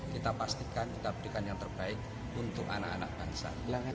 kita pastikan kita berikan yang terbaik untuk anak anak bangsa